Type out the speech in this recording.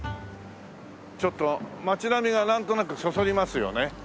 ちょっと街並みがなんとなくそそりますよね。